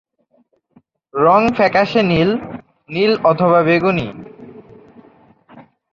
রং ফ্যাকাশে নীল, নীল অথবা বেগুনি।